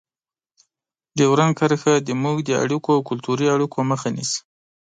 ډیورنډ کرښه زموږ د اړیکو او کلتوري اړیکو مخه نیسي.